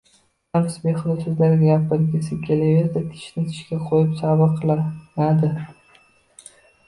Nafs behuda so‘zlarni gapirgisi kelaversa, tishni tishga qo‘yib sabr qilinadi.